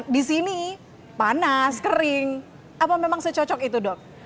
di sini panas kering apa memang secocok itu dok